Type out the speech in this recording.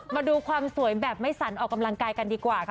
มาดูความสวยแบบไม่สันออกกำลังกายกันดีกว่าค่ะ